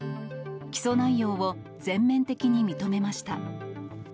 起訴内容を全面的に認めました。